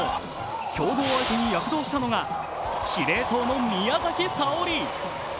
強豪相手に躍動したのが司令塔の宮崎早織。